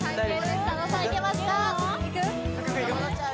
佐野さんいけますか？